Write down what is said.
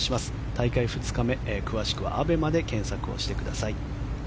大会２日目詳しくはＡＢＥＭＡで検索してください。